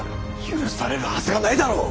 許されるはずがないだろう！